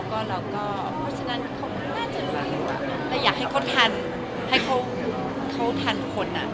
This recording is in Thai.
เพราะฉะนั้นเขาก็น่าจะรู้เลยอยากให้เขาทันให้เขาทันคน